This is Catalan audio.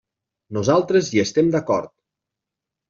Nosaltres hi estem d'acord.